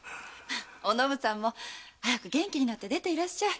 おのぶさんも早く元気になって出ていらっしゃい。